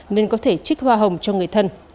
nên có thể trích hoa hồng cho người thân